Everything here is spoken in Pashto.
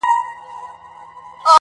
مړی هر وخت په قيامت رضا وي.